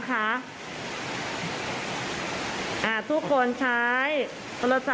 ทุกคนใช้โทรศัพท์มือถือค่ะห้องนี้มืดเลยค่ะ